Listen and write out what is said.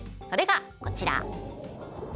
それが、こちら。